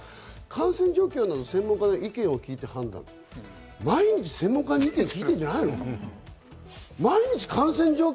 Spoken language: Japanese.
感染状況など専門家の意見を聞いて判断って、毎日専門家の意見を聞いてるんじゃないの？